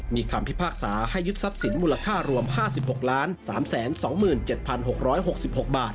มีคำพิพากษาให้ยึดทรัพย์สินมูลค่ารวม๕๖๓๒๗๖๖บาท